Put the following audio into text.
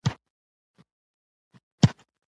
د زمانشاه نیت په ښه توګه څرګند شوی وو.